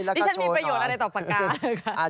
ดิฉันมีประโยชน์อะไรต่อปากกา